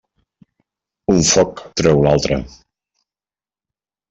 Un foc treu l'altre.